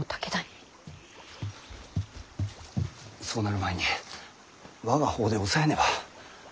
そうなる前に我が方で押さえねば。